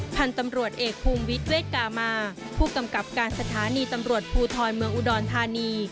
พันธุ์ตำรวจเอกภูมิวิทยเวทกามาผู้กำกับการสถานีตำรวจภูทรเมืองอุดรธานี